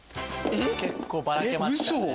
結構バラけましたね。